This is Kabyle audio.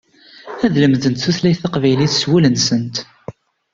Ad lemdent tutlayt taqbaylit s wul-nsent.